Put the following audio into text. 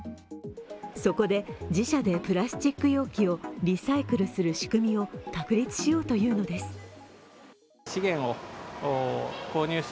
そこで、自社でプラスチック容器をリサイクルする仕組みを確立しようというのです。